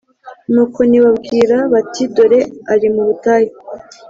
Nuko nibababwira bati Dore ari mu butayu